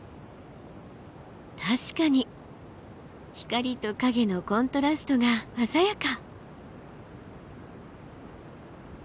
確かに光と影のコントラストが鮮やか！